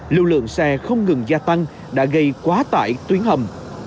lưu lượng xe không ngừng gia tăng đã gây quá tải tuyến hầm